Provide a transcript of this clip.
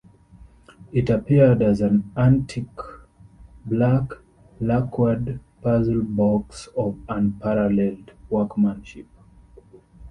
It appeared as an antique black lacquered puzzle box of unparalleled workmanship.